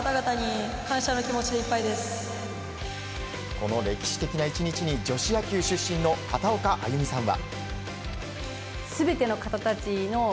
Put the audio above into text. この歴史的な１日に女子野球出身の片岡安祐美さんは。